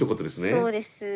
そうです。